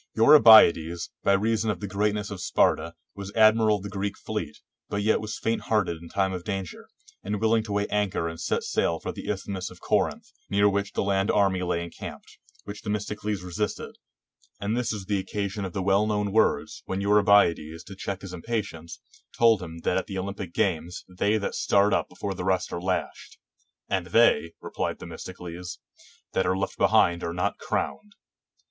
Eurybiades, by reason of the greatness of Sparta, was admiral of the Greek fleet, but yet was faint hearted in time of danger, and willing to weigh anchor and set sail for the Isthmus of Corinth, near which the land army lay encamped; which Themistocles resisted; and this was the occasion of the well known words, when Eurybiades, to check his impatience, told him that at the Olympic games they that start up before the rest are lashed; "And they," replied Themistocles, "that are left behind are not crowned."